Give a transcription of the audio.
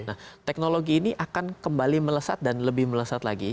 nah teknologi ini akan kembali melesat dan lebih melesat lagi